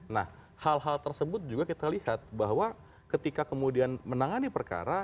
nah hal hal tersebut juga kita lihat bahwa ketika kemudian menangani perkara